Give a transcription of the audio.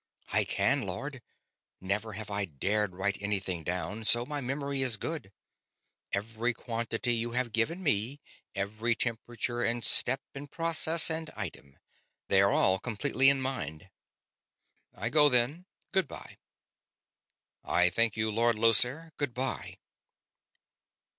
"I can, Lord. Never have I dared write anything down, so my memory is good. Every quantity you have given me, every temperature and step and process and item; they are all completely in mind." "I go, then. Good bye." "I thank you, Lord Llosir. Good bye."